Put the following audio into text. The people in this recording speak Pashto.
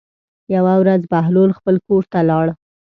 یوه ورځ بهلول خپل کور ته لاړ.